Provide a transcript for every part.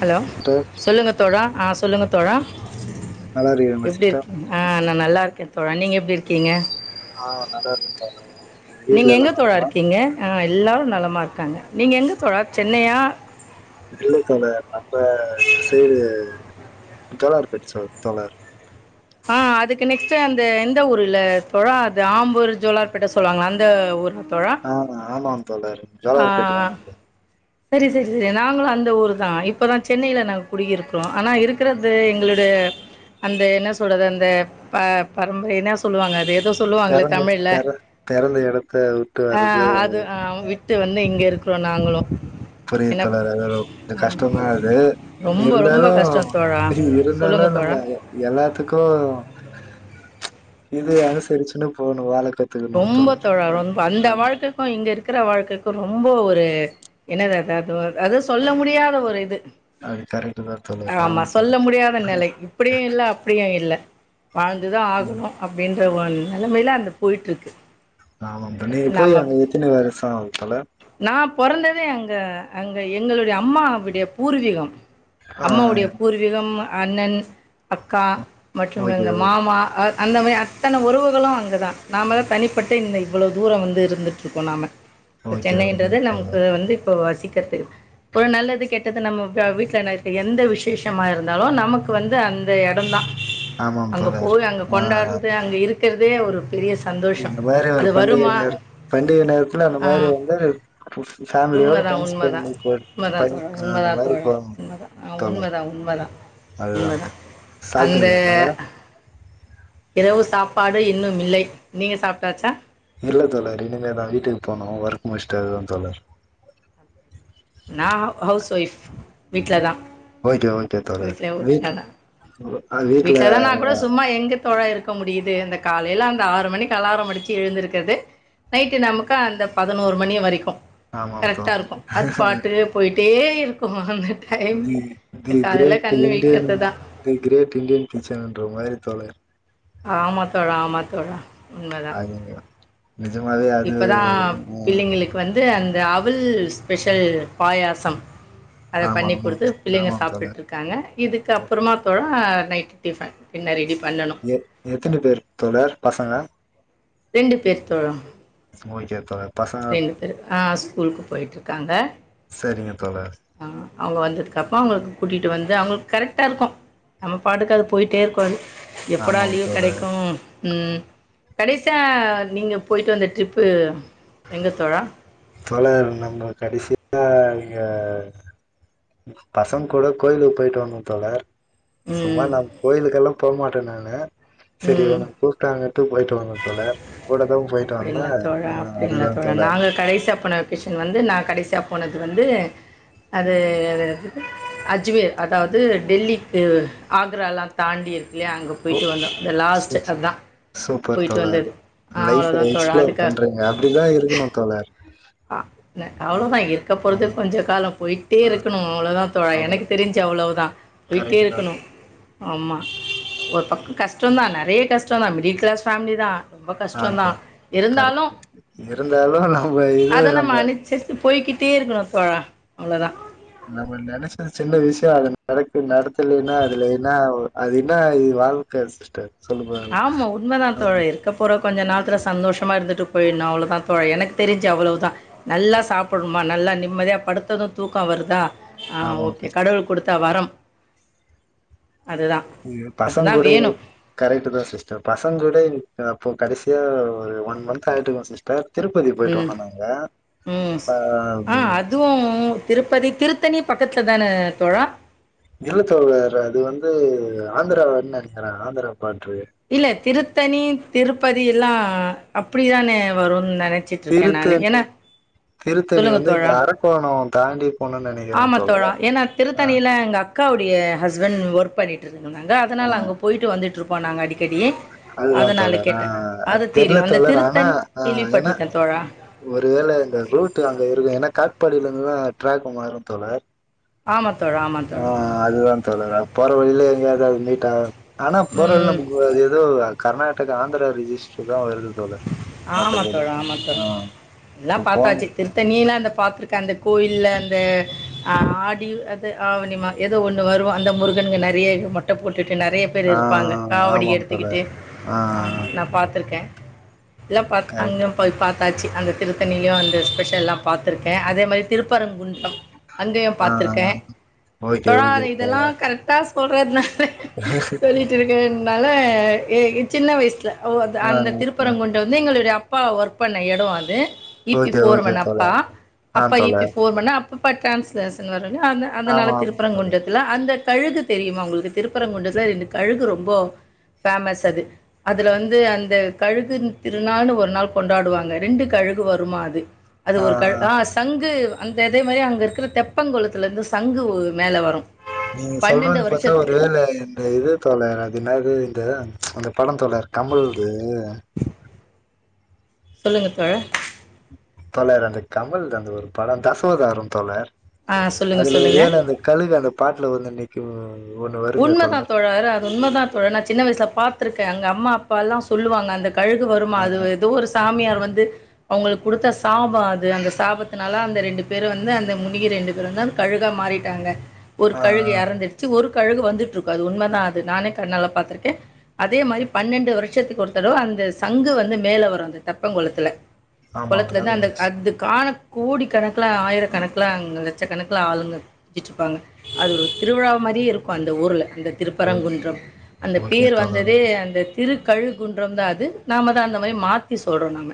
Hello sister சொல்லுங்க தோழா ஆ சொல்லுங் தோழா நல்லாருக்கீங்ளா சிஸ்டர் நல்லாருக்கே தோழா நீங்க எப்டிருக்கீங்க ஆ நல்லாருக்கே தோழர் நீங்க வீட்ல எல்லா எங்க தோழா நலமா இருக்கீங்க ஆ இர் எல்லாரூ நலமாருக்காங்க நீங்க எங்க தோழா சென்னயா இல்ல தோழர் நம் ப இந்த சைடு ஜோலார் பேட் சைடு தோழர் ஆ அதுக்கு நெக்ஸ்ட் அந்த இந்த ஊர்ல இப்போ அது ஆம்பூர் ஜோலார்பேட்ட சொல்லுவாங்க அந்த ஊர் ஆ ஆமாம் தோழர் ஜொலார்பேட்ல நாங்க செரி செரி செரி நாங்களு அந்த ஊரு தா இப்பதா சென்னயில நாங்க குடியிருக்கோ ஆனா இருக்றது எங்களோட அந்த என்ன சொல்றது அந்த ப பரம்பர என்ன சொல்லுவாங்க அது ஏதோ சொல்லுவாங்களே பெறந்த தமிழ்ல பெற பெறந்த எடத்த விட்டு ஆ வர்றது அது விட்டு வந்து இங்கருக் அப்றோ நாங்களு புரியுது என்ன தோழர் அது கஷ்டோந்தா அது ரொம்ப ரொம்ப இருந்தாலு கஷ்டோ தோழா இருந்தாலு சொல்லுங்க நம்ம தோழா எல்லாத்துக்கூ இது அனுசரிச்சினு போணு வாழக் ரொம்போ தோழா ரொம்போ அந்த வாழ்க்கதா இங்கருக் க்கிற வாழ்க்கைக்கு ரொம்போ ஒரு என்னது அது அது சொல்ல முடியாத ஒரு இது அது கரெக்ட் தா தோழர் ஆமா சொல்ல தோழர் முடியாத நெலை இப்டியு இல்ல அப்டியு இல்ல வாழ்ந்துதா ம் ஆகணு அப்டின் த மாரி நெலமைல அந்தப் போயிட்டுருக்கு ஆமாங்க நீங்க போயி அங்க எத்தினி வருஷோ கலா நான் பொறந்ததே அங்க அங்கே எங்களுடைய அம்மாவிடைய பூர்வீகம் ஆ அம்மாவுடைய பூர்வீகம் அண்ணன் அக்கா மற்றும் ஓகே எங்க ஓகே மாமா அ அந்த மாரி அத்தன உறவுகளூ அங்க தா நாம தா தனிப்பட்டு இந்த இவ்ளோ தூரோ வந்து இருந்துட்டுருக்கோ நாம இப்ப ஓகே ஓகே சென்னைன்றது நமக்கு தோழர் வந்து இப்போ வஸ் இக்கத்து ஒரு நல்லது கெட்டது நம்ம ப வீட்ல நடக்ற எந்த விசேஷமா இருந்தாலூ நமக்கு வந்து அந்த எடோந்தான் ஆமாம் அங்க தோழர் போய் அங்க ஆ கொண்டாட்றது அங்க இருக் கர்தே ஒ பெரியஸ் இந்த மாறி ஒரு பண்டிகை நே பண்டிகை நேரத்துல அந்த மாறி ஆ. வந்து ஃபேமிலியோட உண்மதான் டைம் உண்மதான் ஸ்பெண்ட் உண்மதான் பண்ணி தோழா போ அந்த உண்மதான் மாதிரி தோழா போ உண்மதான் ஆ தோழர். உண்மதான் உண்மதான் அதுதான் உண்மதான் அந்த சாப்ட்டீங்களா தோழர் இரவு சாப்பாடு இன்னும் இல்லை நீங்க சாப்ட்டாச்சா இல்ல தோழர். இனிமேதான் வீட்டுக்கு போனும் ஒர்க் முடிச்சுட்டு அதுதான் தோழர். நான் ஹவுஸ் ஒய்ஃப் வீட்லதான் ஓகே ஓகே தோழர் வீட்ல அஹ் வீட்ல அ தோழர் இருக்க முடியுது. அந்த காலைல அந்த ஆறு மணிக்கு அலாரம் அடிச்சு எழுந்திருக்கறது நைட்டு நமக்கு அந்த பதினோரு மணி வரைக்கும் ஆமாம் கரெக்ட்டா இருக்கும். அது தோழர் பாட்டுக் போயிட்டு போய்ட்டே இருக்கும் அ தி தி கேரேட் இண்டியன். விழிக்கிறது தான் தி கிரேட் இண்டியன். பீச்சன்ன்ற மாதிரி தோழர் ஆமா தோழா ஆமா தோழா. உண்மதான். அது நெஜம் நிஜமாவே இப்பதான் பிள்ளைங்களுக்கு வந்து அந்த அவுல் ஸ்பெஷல் பாயாசம் அத ஆமா பண்ணி் ஆமாம் குடுத்து பிள்ளைங்க ஆமாம் சாப்பிட்டுட்டு தோழர் இருக்காங்க. இதுக்கு அப்புறமா தோழா நைட் டிஃபன். இன்னும் ரெடி பண்ணணும். எ எத்தன பேர் தோழர் பசங்க ரெண்டு பேர் தோழா ஓகே தோழர் பசங்க ரெண்டு பேர் ஆ ஸ்கூலுக்கு போய்ட்டு இருக்காங்க. சரிங்க தோழர் அவங்க வந்ததுக்கப்பறம் அவங்க கூட்டிட்டு வந்து அவங்களுக்கு கரெக்டா இருக்கும் நம்ம பாட்டுக்க அது போயிட்டே இருக்கும்து எப்படா ஆமாம் லீவ் தோழர் கெடைக்கும் உம் கடைசியா நீங்க போயிட்டு வந்த ட்ரிப்பு எங்க தோழா தோழர் நம்ம கடைசியா இங்க பசங் கூட கோயிலுக்கு போயிட்டு வந்தங் தோழர் சும்மா ம். நம் கோயிலுக்கெல்லாம் போ மாட்ட விட்ட நானு சரி ம் [unintelligible] கூப்பிட்டாங்க எட்டு போயிட்டு வந்த தோழர் கூட தா போயிட்டு வந்தே அப்படிங்களா தோழ ஆ அப்படிங்களா அதுதா தோழ தோழர் நாங்க கடைசியா போன வெகேஷன் வந்து நான் கடைசியாக போனது வந்து அது அஜ்மேர் அதாவது டெல்லிக்கு ஆக்ராலாம் தாண்டி இருக் அங்கே ஓ போயிட்டு வந்தோம் லாஸ்ட் சூ அதான் போயிட்டு வந்தது அவ்வளோதான் சூப்பர் அதுக்காக பண்றங்க அப்படிதான் இருக்கணும் தோழர் ஆஹ் அவ்வளவுதான் இருக்க ஆ போறது கொஞ்ச காலம் போயிட்டே ஆ இருக்கணும் அவ்வளவுதான் தோழர் அவ்ள எனக்கு தெரிஞ்சு அவ்வளவுதான் போயிட்டே கரெக்ட் தா இருக்கணும் ஆமா ஒரு பக்க கஷ்டொந்தா நெறைய கஷ்டோ தா மிடில் கிளாஸ் ஃபேமிலி தா ஆ த்த கரெக்ட் இருந்தாலு நம்ப அத நம்ம அனுச்சரிச்சு போய் கிட்டயேருக்கணு இப்ப அவ்ளதா நம்ம நெனைச்சது சின்ன விஷ்யோ அது நட நடத்துலீனா அதுல என்னா ஒ அது இன்னா இது வாழ்க்க சிஸ்டர் சொல்லுங்க ஆமா உண்மதா ஆ தோழிர் இருக்க போற கொஞ்ச நாளத்தில சந்தோஷமா இருந்துட்டு போயிட்ணு அவ்ளதா தோழி எனக்கு தெரிஞ்சு அவ்ளவுதா தா நல்லா சாப்பட்ணுமா நல்லா நிம்மதியா படுத்தது தூக்கோ வருதா ஆஹ் ஆமா ஓகே கடவுள் குடுத் த வரம் அதுதா ய்யோ அதுதா பசங்கூட வேணு கரக்ட் தா சிஸ் த பசங் கூட இன்னிக் ப்போ கடைசியா ஒரு ஒன் மந்து ஆயிட்ருக்கூ சிஸ்டர் திருப்பதி போயிட்டு உம் வந்தோ நாங்க உம் ஆ அதுவு திருப்பதி திரு த்தணி பக்கத்துல தான தோழா இல்லத்தோழர் அது வந்து ஆந்திராவன் நெனக்கிறே ஆந்திரா பாட்டு இல்ல திருத்தணியு திருப்ப தி எல்லா அப்பிடிதானே வருன் நெ திருத்தணி திருத்தணி சொல்லுங்க வந்து இங்க தோழா அரக்கோணோ தாண்டி போணுன்னு நெனைக்கிறே ஆமா தோழர் தோழா ஏனா ஆ திருத்தணியில எங்க அக் க்காவுடைய ஹஸ்பண் ஒர்க் பண்ணிட்டுரு இருந்தாங்க ஆ அதனால அங்க போயிட்டு வந்துட்டு இருப் போனாங்க அடிக்கடி அதுதா அதனால தோழர் அ கேட்டே அ அது தெர்ல தெரியும் அந்த தோழர் ஆனா திருத்தணி அ எனா கேள்விப்பட்டிருக்கே தோழா ஒருவேள இந்த ரூட் அங்க இருக்கு எனா காட்பாடியிலந்துதா ட்ராக் மாறு தோழர் ஆமாத் ஆஹ் அதுதாந் தோழர் அ போற வழியில எங்கியாவது அது மீட்டா ஆனா போற வழ்ல ம் நமக்கு அது எதோ அ கர்நாடக ஆந்திரா ரிஜிஸ்டருக்காவு இருக்குது ஆமாத்தோழா ஆமாத்தோழா எல்லா போனு பாத்தாச்சு திருத்தண்ணில அந்த பாத்திருக்கே அந்த கோயில்ல அந்த அ ஆடி அது ஆவணிமா எதோ ஒன்னு வருவோ அந்த முருகனுகு நெறைய மொட்ட போட் ட்டுட்டு நெறைய பேரு ஆ இருப்பாங்க காவடி ஆமாம் எடுத்துக்கிட்டு தோழர் ஆ ஆமா ஆ நா பாத்துருக்கே ல்லப்பா கரெக்ட்டு தங்கம் போய் பா காச்சி அந்த திருத்தண்ணியிலு அந்த ஸ்பெஷல்லா பாத்திர்க்கே அதே மாரி திருப்பரங்குண்டு டு அங்கயு ஆ பாத்திர்க்கே ஓகே ஓகே தோழர் போட்ரார்னா சொல்லிட்டு இரு என்னால ஏய் சின்ன வயிசுல ஓ அத் ஆ அந்த திரு ப்பரங்குன்றம் வந்து எங்களுடைய அப்பா ஒர்க் பண்ண எடோ அது E B okay okay foreman அப்பா தோழர் ஆ அப்பா இ பி தோழர் ஃபோர்மென் அ இப்ப ட்ரான்ஸ்லேஷன் வரோ ய அந்த அந்தனால ஆமா ஆமா தோழர் திருப்பரங்குன்றத்தில அந்த கழுகு தெரியுமா உங்களுக்கு திருப்பரங்குண்டத்தில ரெண்டு கழுகு ரொம்ப ஃபேமஸ் அது அதுல வந்து அந்த கழுகுகின் திருநானு ஒரு நாள் கொண்டாடுவாங்க ரெண்டு கழுகு வருமா அது அது ஒரு க ஆ சங்கு அந்தெத மாரி அங்க இருக்கிற தெப்பங்கொளத்துல இருந்து சங்குவு மேல வரோ நீங்க சொல்றது பாத்தா ஒரு வேல இந்த இது தோழர் அது என்னாது த ச்ச அந்த படோ தோழர் கமல்து ஆ சொல்லுங்க தோழர் தோழர் அந்த கமல்து அந்த ஒரு படோ தசாவதாரம் தோழர் ஆ சொல்லுங்க, அதுல சொல்லுங்க. ஒருவேல அந்த கழுகு அந்த பாட்ல வந்து நி கு உண்மதா தோழர் அது உண்மதா தோழர் நா சின்ன வயசுல பாத் திர்க்கே அங்க அம்மா அப்பாலா சொல்லுவாங்க அந்த கழுகு வருமா அதுவு எதோ ஒரு சாமியார் வந்து அவுங்ளுக் குடுத்த சாப அது அந்த சாபத்துனால அந்த ரெண்டு பேர் வந்து அந்த முனிக ரெண்டு பேர் வந்து அந் கழுகா மாறிட்டாங்க ஒர் ஆ கழுகு எறந்துடுச்சு ஒரு கழுகு வந்துட்ருக்கு அது உண்மதா அது நானே கண்ணால பாத்திர்க்கே அதே மாரி பன்னெண்டு வருஷத்துக்கு ஒரு தடவ அந்த சங்கு வந்து மேல வரோ அந்த தெப்பங்கொளத்துல ஆ ஆமாங்களா கொளத்தலிந்து அந்த ஓகே அது காண கோடிக் கணக்ல ஆயிரக் கணக்ல அங்க லட்சக் கணக்ல ஆளுங்க சுத்தீட்ருப்பாங்க அதுவ்வொரு திருவிழா மாரியே இரு ப்பந்த ஊருல அந்த திருப்பரங்குன்றம் அந்த ஓகே பேர் தோழர் வந்ததே அந்த திரு கழுகுன்றம் தா அது நாம தா அந்த மாரி மாத்தி சொல்றோ நாம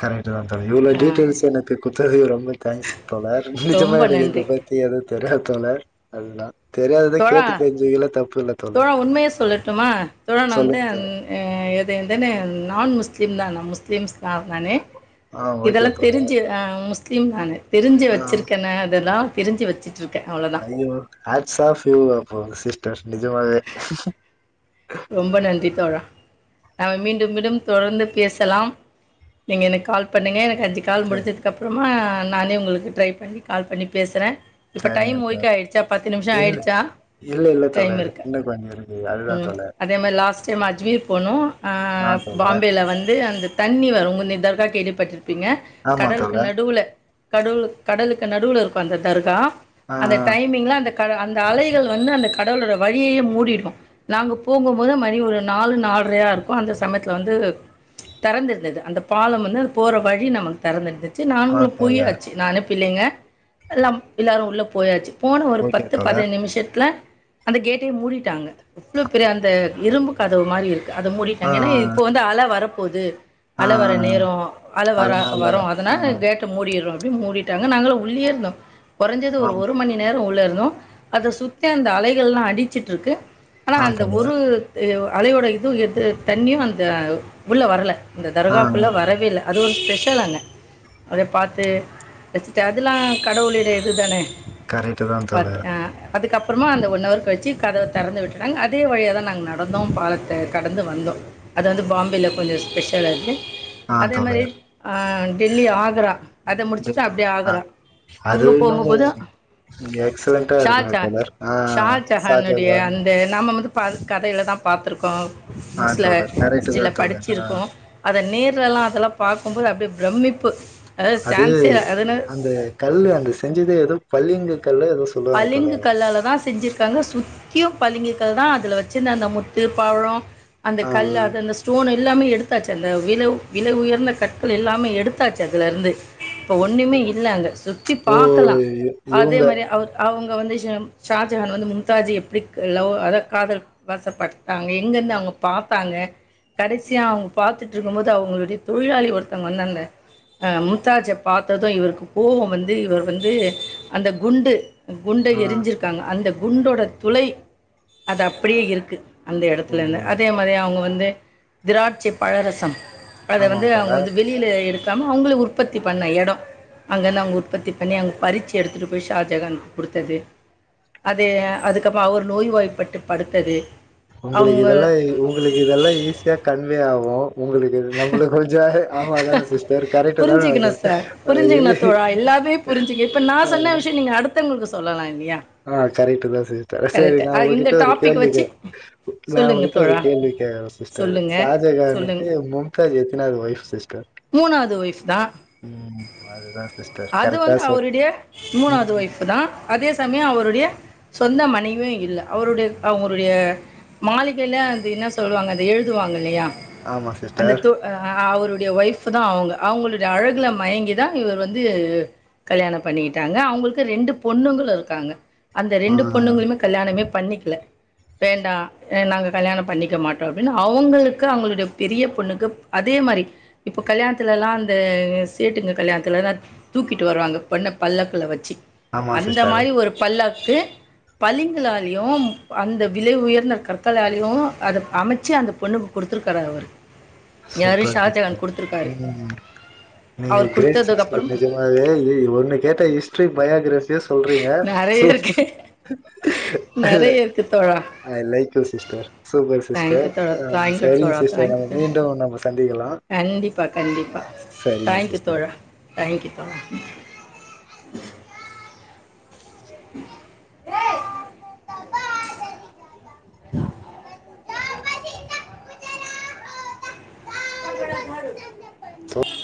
கரெட்டு தா தொழி இவ்ளோ டீட்டெய்ல்ஸ் எனக்கு குத்தது ரொம் ம்ப தேங்க்ஸ் தோழர் நிஜமா ரொம்ப எனக் இந்த நன்றி பத்தி எது தெரியாது தோழர் அல்லா தோழா தோழர் தோழா உண்மைய சொல்லட்டுமா தோழா நா வந்த சொல்லுங்க தோழர் ம் அ எது எதென்ன நான் முஸ் ஸ்லிம் தா நா முஸ்லிம்ஸ் ஆ நானு ஆ ஓகே இதெல்லாந் தோழர் தெரிஞ்சு அ முஸ் கிம் நானு தெரிஞ்சு ஆ வெச்சுருக்கன அதெல்லா தெரிஞ்சு வெச்ச ஐயோ ஹாட் சாஃப் உம் அப்போ சிஸ்டர் நிஜமாவே ரொம்ப நன்றி தோழா நாம மீண்டும் மீண்டும் தொடர்ந்து பேசலாம் நீங்க எனக் கால் பண்ணுங்க எனக் அஞ்சு கால் சரி முடிஞ்சதுக்கப்றமா நானே உங்களுக்கு ட்ரை பண்ணி கால் பண்ணி பேசுறே இப்ப சேரிங்க டைம் தார் ஓகே ஆயிடுச்சா பத்து நிமிஷோ இல்ல ஆயிடுச்சா இல்ல இல்ல டைம் தோழர் இன்னுங் கொஞ்சொ இருக்கு அதுதா தோழர் நம்ம லாஸ்ட் டைம் அஜ்வீர் போனோ ஆ பாம்பேல வந்து அந்த தண்ணி வருங் [unintelligible] பீங்க ஆமா கடலுக்கு தோழர் நடுல கடுளு கடலுக் நடுவுல இருக்கு அந்த தர்கா ஆ அந்த ஆ டைமிங்ல அந்த கடல் அந்த அலைகள் வந்து அந்த கடளோட வழியையு மூடிடுமா நாங்கப் போகும்போது மணி ஒரு நாலு நாலரையாகக் இருக்கும் அந்த சமயத்தில் வந்து திறந்துருந்தது அந்த பாலம் வந்து அது போர வழி நமக்கு திறந்துருந்தது செர் ஆ நாங்கலு தோழர் போய்யாச்சு நானு பிள்ளைங்க எல்லாம் ல்லாரும் உள்ள போயாச்சு போன ஒரு ஓகே பத்து பது தோழர் நிமிஷதுல அந்த கேட்டையே மூடிட்டாங்க இவ்வ பெரிய அந்த இரும்பு கதவு மாரி இருக்குது அத ஆ ஆ மூடிட்டாங்கா ஏனா இப்ப வந்து ஆள வர ப் பொது ஆ அல வர ஆ நேரம் அல வர அதனால வரும் அதனா ஆ கேட்ட மூடிறு அப்யு மூடிட்டாங்க நாங்களு உள்ளே இருந்தோ குறைஞ்சது ஆம் ஒரு மணி நேரோம் உள்ள இர் ந்தோ அது சுத்தி அந்த அலைகள் எல்லா அடிச்சிட்ருக்கு ஆனா ஆ அந்த ஒரு தோழர் தேவா அலையோட இதுவு எது தண்ணியும் அந்த உள்ள வரல இந்த ஆ ஆ தர்காப்புள்ளா வரவேல்ல அது ஒரு ஸ்பெஷலான அது பாத்து வச்சுட்டு அதெல்லா கடவுளிடைய இது தானே கரெகட்டுதா பாத்து தோழர் அ அதுக்கப்புறமா அந்த ஒன்அவர் கழிச்சு கதவ திறந்து விட்டு அதே வழியாகதா நாங்கள் நடந்தோம் பாலத்த கடந்து வந்தோம் அது வந்து பாம்பேல கொஞ்சோ ஸ்பெஷலாயிருகுது ஆ அதே மாதிரி தோழர் ஆ டெல்லி ஆக்ரா அத ட்டு முடிச்சுட்டு அப்டியே ஆ ஆக்ரா. அது அங்க இன்னும் போகும்போது இங்க எக்ஸலன்ட்டா இருக்குங்க ஷாஜஹான் கலர் ஆ ஷாஜகான் நம்ம வந்து பா கடையிலதா பாத்துருக்கோ ஆ புக்ஸ்லல தோழர் கரெக்ட் தா சில தோழர் ஆ படிச்சிருக்கோ அத நேர் கீழல்லா அதெல்லா பாக்கும்போது அப்டியே ப்ரமிப்பு அது அந்த கல்லு அந்த செஞ்சதே ஏதோ பளிங்கு கல்லு ஏதோ சொல்லுவாங்க பளிங்கு தோழர் கல்லாலதா செஞ்சிருக்காங்க சுத் முக்கியோ பளிங்கி கல்தா அதுல வச்சுருந்த அந்த முத்து பவளோ அந்த ஆ கல்லு அதுல ஸ்டோனு எல்லாமே எடுத்தாச்சு அந்த விலவ் வில உயர்ந்த கற்கள் எல்லாமே எடுத்தாச்சு அதுல இருந்து இப்ப ஒண்ணுமே இல்ல அங்க சுத்தி ஓ பாக்கலா இ- அதே இவங்க மாரி அவரு அவுங்க வந்து ஃசேம் ஷாஜஹான் வந்து மும்தாஜ் எப்டி லவ் அதா‌ காதல் வசப்படுத் அவுங்க எங்கருந்து ஆ அவுங்க பாப்பாங்க கடைசியா அவுங்க பாத்துட்ருக்கும்போது அவுங்களுடைய தொழிலாளி ஒருத்தவுங்க வந்தாங்க ஆ மும்தாஜ பாத்ததும் இவருக்கு கோவம் வந்து இவர் வந்து அந்த குண்டு குண்ட ஆ எரிஞ்சிருக்காங்க அந்தப் குண்டோட துளை அது அப்டியே இருக்கு அந்த ஓ எடத்துல இருந்து அதே மாறி அவுங்க வந்து திராட்சை பழரசம் அத வந்து ஆமாம் அவுங்க தோழர் வந்து வெளியில எடுக் [unintelligible] அவுங்களே உற்பத்தி பண்ணுன எடோ அங்கேந்து அவுங்க உற்பத்தி பண்ணி அங்க பறிச்சு எடுத்துட்டு போய் ஷாஜகான் குடுத்தது அது அதுக்கப்பறோ அவர் நோய்வாய்ப்பட்டு படுத்தது உங்களுக்கு அவங்க இதெல்லா உங்களுக்கு இதெல்லா ஈஸியா கன்வே ஆவும் உங்களுக்கு நம்மள கொஞ்சோ ஆமா தான சிஸ்டர் கரெக்ட் தான நா புரிஞ்சுக்கணும் சொல்ட்டு சார் அ இ புரிஞ்சுக்கணும் தோழா ஆ அது உங்களுக்கு சொல்லலாங் ஆ கரெக்ட்டு தான் சிஸ்டர் செரி நா இந்த உங்ககிட்ட ஒரு டாபிக் கேள்வி கே வச்சு நான் சொல்லுங்க உங்கிட்ட ஒரு தோழா கேள்வி கேக்கற சிஸ்டர் சொல்லுங்க சொல்லுங்க ஷாஜகானுக்கு மும் த்தாஜ் எத்தனாவது வைஃப் சிஸ்டர் ஸ்தா ம் அதுதா சிஸ்டர் அது கரெக்டா வந்து சொல் அவருடைய மூணாவது ம் வைஃப்புதா அதே சமயொ அவருடைய சொந்த மனைவியு இல்ல அவருடைய அவருடைய மாளிகைல அது என்ன சொல்வாங்க அது எழுதுவாங்க இல்லயா ஆமா அந்த சிஸ்டர் து அ அவரு டுய ஒய்ஃப்பு தான் அவங்க அவங்களுடைய அழகுல மயங்கிதா இவர் வந்து கல்யாணம் பண்ணிகிட்டாங்க அவங்கள்க்கு ரெண்டு பொண்ணுங்களு இருக்காங்க அந்த ஆ ரெண்டு பொண்ணுங்களுமே கல்யாணமே பண்ணிக்கல வேண்டா ஏ நாங்க கல்யாணொ பண்ணிக்க மாட்டோ அப்டின் அவங்களுக்கு அவங்களுடைய பெரிய பொண்ணுக்கு அதே மாரி இப்போ கல்யாணத்துலலா அந்த சேட்டுங்க கல்யாணத்துலலா தூக்கிட்டு வருவாங்க பொண்ண பல்லக்குல வெச்சி ஆமா அந்த சிஸ்டர் மாறி ஒரு பல்லக் கு பளிங்குலாலயூம் அந்த விலை உயர்ந்த கற்களாலையூ அத அமச்சி அந்த பொண்ணுக்கு குடுத்துருக்காரு அவரு யாரு சூப்பர் ஷாஜகான் கொடுத்துருக்காரு ம் நீங்க அவர் க்ரேட் கொடுத்ததுக்கு சிஸ்டர் அப்புறம் நெஜமாவே லி ஒண்ணு கேட்டா ஹிஸ்ட்ரி பயாகிராஃப் இஸ் சொல்றிங்க நிறைய சு இருக்கு நிறைய இருக்கு தோழா I like you sister super sister thank you தோழா அ தேங்க்யூ சரிங்க தோழா சிஸ்டர் தேங்க்யூ நம்ம தோழா மீண் கண்டிப்பா கண்டிப்பா சரிங்க தேங்க்யூ சிஸ்டர் தோழா தேங்க்யூ தோழா [unintelligible]